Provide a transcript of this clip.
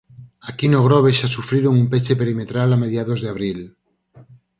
Aquí no Grove xa sufriron un peche perimetral a mediados de abril.